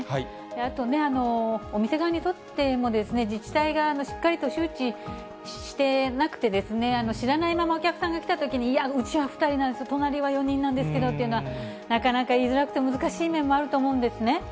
あとね、お店側にとっても、自治体側のしっかりと周知してなくて、知らないままお客さんが来たときに、いや、うちは２人なんです、隣は４人なんですけどっていうのは、なかなか言いづらくて、難しい面もあると思うんですね。